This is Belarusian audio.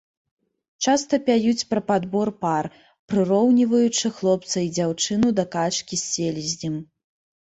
Часта пяюць пра падбор пар, прыроўніваючы хлопца і дзяўчыну да качкі з селезнем.